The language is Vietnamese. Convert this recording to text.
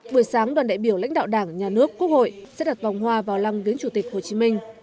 buổi sáng đoàn đại biểu lãnh đạo đảng nhà nước quốc hội sẽ đặt vòng hoa vào lăng viếng chủ tịch hồ chí minh